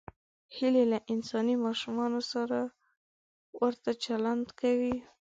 هیلۍ له انساني ماشومانو سره ورته چلند کوي